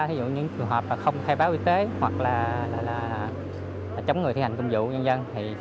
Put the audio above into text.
ví dụ như những trường hợp không khai báo y tế hoặc là chống người thi hành công dụ nhân dân